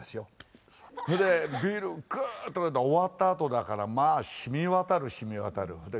それでビールぐっと飲んで終わったあとだからまあしみわたるしみわたる。